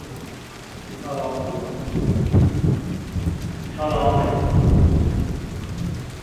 • Daraxt uchiga yel tegar, yaxshi kishiga so‘z tegar.